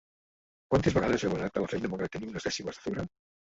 Quantes vegades heu anat a la feina malgrat tenir unes dècimes de febre?